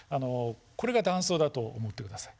これが断層だと思って下さい。